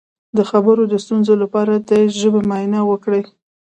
د خبرو د ستونزې لپاره د ژبې معاینه وکړئ